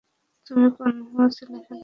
তুমি কোনো ছেলেখেলা করছিলে না।